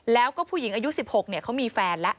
แล้วก็ผู้หญิงอายุ๑๖เขามีแฟนแล้ว